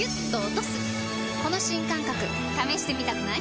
この新感覚試してみたくない？